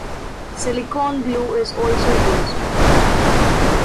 Silicone glue is also used.